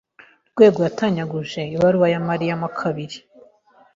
Rwego yatanyaguye ibaruwa ya Mariya mo kabiri.